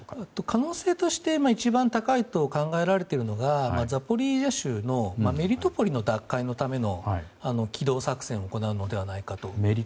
可能性として一番高いと考えられているのがザポリージャ州のメリトポリの奪回のための機動作戦を行うのではないかと。